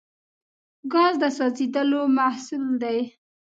ګاز د سوځیدلو محصول دی.